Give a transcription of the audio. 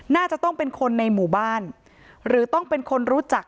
น่าจะต้องเป็นคนในหมู่บ้านหรือต้องเป็นคนรู้จัก